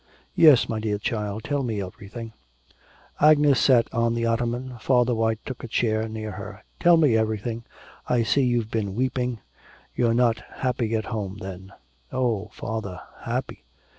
'Yes, my dear child, tell me everything.' Agnes sat on the ottoman, Father White took a chair near her. 'Tell me everything. I see you've been weeping. You're not happy at home then?' 'Oh, Father; happy!